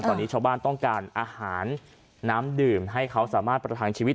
ตอนนี้ชาวบ้านต้องการอาหารน้ำดื่มให้เขาสามารถประทังชีวิต